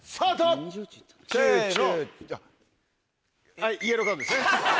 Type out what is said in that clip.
はいイエローカードです。